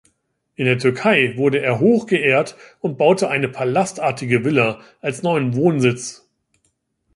In der Türkei wurde er hochgeehrt und baute eine palastartige Villa als neuen Wohnsitz.